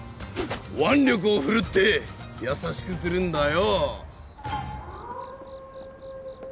腕力を振るって優しくするんだよ！